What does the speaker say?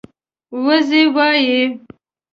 وزۍ وايي